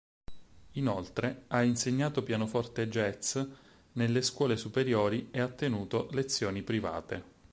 Inoltre, ha insegnato pianoforte jazz nelle scuole superiori e ha tenuto lezioni private.